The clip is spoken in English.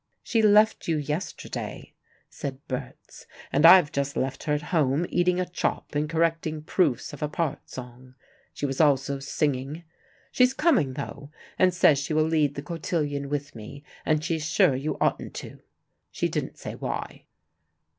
"She left you yesterday," said Berts, "and I've just left her at home eating a chop and correcting proofs of a part song. She was also singing. She's coming though, and says she will lead the cotillion with me, and she's sure you oughtn't to. She didn't say why."